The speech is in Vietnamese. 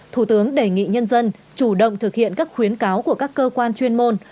một mươi bốn thủ tướng đề nghị nhân dân chủ động thực hiện các khuyến cáo của các cơ quan chuyên môn